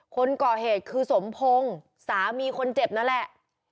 คนก่อเหตุคือสมพงศ์สามีคนเจ็บนั่นแหละ